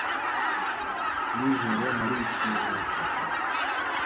Nijoro narishimye.